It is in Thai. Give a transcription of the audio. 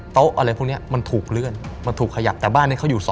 โต๊ะอะไรพวกนี้มันถูกเลื่อน